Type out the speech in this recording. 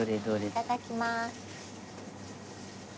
いただきます。